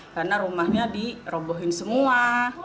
karena rumahnya dirobohin semua